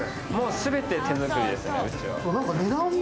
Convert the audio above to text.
全て手作りですね、うちは。